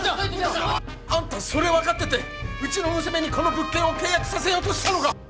あんたそれ分かっててうちの娘にこの物件を契約させようとしたのか！